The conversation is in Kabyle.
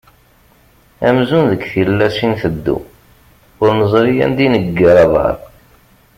Amzun deg tillas i nteddu, ur neẓri anda i neggar aḍar.